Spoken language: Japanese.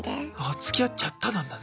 つきあっちゃったなんだね。